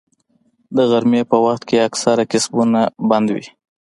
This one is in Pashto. د غرمې په وخت کې اکثره کسبونه بنده وي